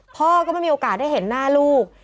พ่อก็ไม่มีโอกาสได้เห็นหน้าลูก